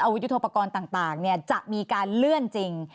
ยุทธโปรกรณ์ต่างจะมีการเลื่อนจริง